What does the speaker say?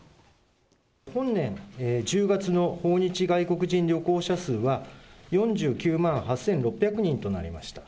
本年１０月の訪日外国人旅行者数は、４９万８６００人となりました。